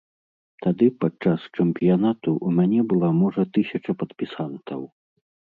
Тады, падчас чэмпіянату, у мяне была, можа, тысяча падпісантаў.